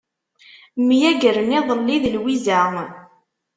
Myagren iḍelli d Lwiza.